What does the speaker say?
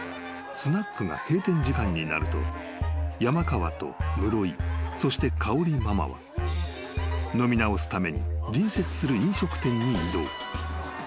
［スナックが閉店時間になると山川と室井そして香織ママは飲み直すために隣接する飲食店に移動］